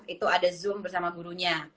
itu ada zoom bersama gurunya